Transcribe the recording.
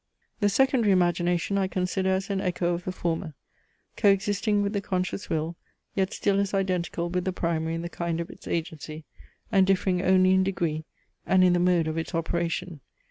The secondary Imagination I consider as an echo of the former, co existing with the conscious will, yet still as identical with the primary in the kind of its agency, and differing only in degree, and in the mode of its operation.